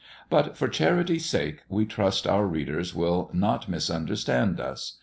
But, for charity's sake, we trust our readers will not misunderstand us!